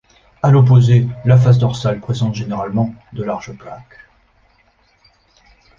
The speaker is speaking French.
A l'opposé, la face dorsale présente généralement de larges plaques.